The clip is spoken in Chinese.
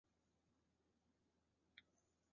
臧儿是西汉初燕王臧荼的孙女。